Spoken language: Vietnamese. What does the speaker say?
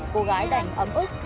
cô gái đành ấm ức